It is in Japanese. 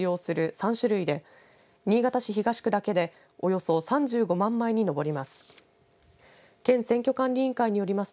３種類で新潟市東区だけでおよそ３５万枚に上ります。